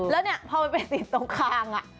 แล้วเนี่ยพอมันไปติดตรงคาง